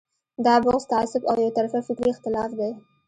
دا بغض، تعصب او یو طرفه فکري اختلاف دی.